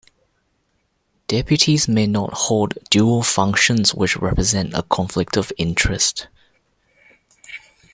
Deputies may not hold dual functions which represent a conflict of interest.